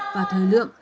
và thời lượng